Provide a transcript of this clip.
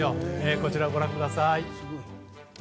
こちらをご覧ください。